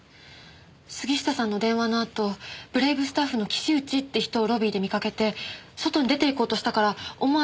杉下さんの電話のあとブレイブスタッフの岸内って人をロビーで見かけて外に出て行こうとしたから思わず。